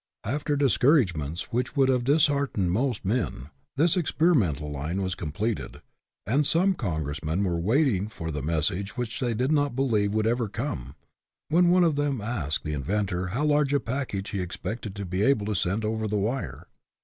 After discourage ments which would have disheartened most men, this experimental line was completed, and some congressmen were waiting for the message which they did not believe would ever come, when one of them asked the in ventor how large a package he expected to be able to send over the wire.